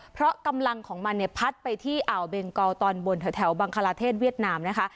เพราะกำลังของมันเนี่ยพัดไปที่อ่าวเบงกอลตอนบนแถวบังคลาเทศเวียดนามนะคะ